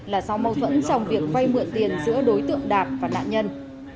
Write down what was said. là sau mâu thuẫn trong việc vây mượn tiền giữa đối tượng đạt và nạn nhân